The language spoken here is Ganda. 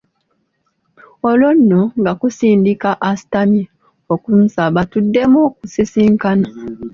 Olwo nno nga kusindika asitamye okunsaba tuddemu okusisinkana.